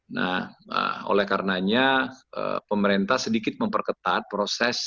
nah oleh karenanya pemerintah sedikit memperketat proses